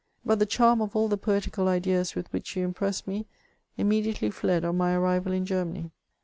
But the charm of all the poetical ideas with which you impressed me, immedi ately fled on my arrival in Germany.